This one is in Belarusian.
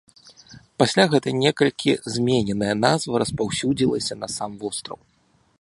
Пасля гэта некалькі змененая назва распаўсюдзілася і на сам востраў.